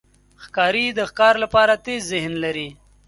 ښکاري د ښکار لپاره تېز ذهن لري.